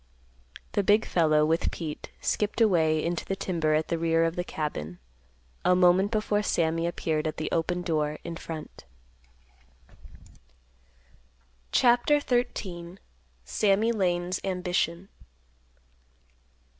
The big fellow, with Pete, skipped away into the timber at the rear of the cabin, a moment before Sammy appeared at the open door in front. CHAPTER XIII. SAMMY LANE'S AMBITION.